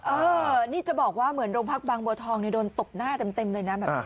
เออนี่จะบอกว่าเหมือนโรงพักบางบัวทองโดนตบหน้าเต็มเลยนะแบบนี้